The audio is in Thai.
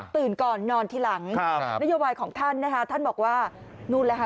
ตื่นก่อนนอนทีหลังครับนโยบายของท่านนะคะท่านบอกว่านู่นแหละค่ะ